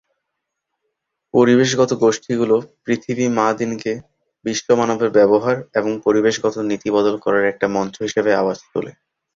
পরিবেশগত গোষ্ঠীগুলো পৃথিবী মা-দিনকে বিশ্ব মানবের ব্যবহার এবং পরিবেশগত নীতি বদল করার একটা মঞ্চ হিসেবে আওয়াজ তোলে।